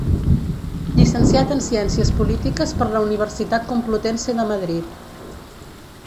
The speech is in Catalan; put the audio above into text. Llicenciat en Ciències Polítiques per la Universitat Complutense de Madrid.